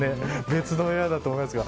別の部屋だと思いますが。